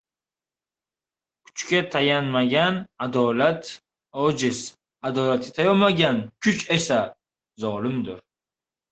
Kuchga tayanmagan adolat ojiz, adolatga tayanmagan kuch esa zolimdir